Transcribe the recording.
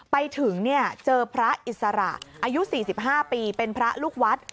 ไปถึงเจอพระอิสระอายุ๔๕ปีเป็นพระลูกวัด